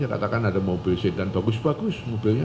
katakan ada mobil sedang bagus bagus mobilnya